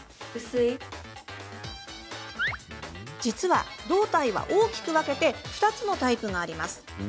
実は、胴体は大きく分けて２つのタイプがあります。